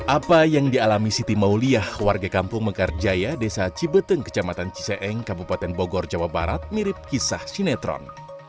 apa yang dialami siti mauliah warga kampung mekarjaya desa cibeteng kecamatan ciseeng kabupaten bogor jawa barat mirip kisah sinetron